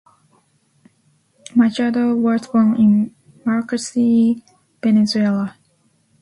Machado was born in Maracay, Venezuela.